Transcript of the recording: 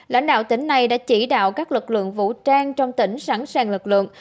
lãnh đạo tỉnh này đã chỉ đạo các lực lượng vũ trang trong tỉnh sẵn sàng lực lượng